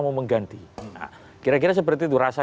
mau mengganti kira kira seperti itu rasa